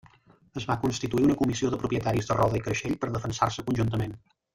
Es va constituir una comissió de propietaris de Roda i Creixell per defensar-se conjuntament.